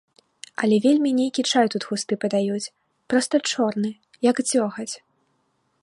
Але вельмі нейкі чай тут густы падаюць, проста чорны, як дзёгаць.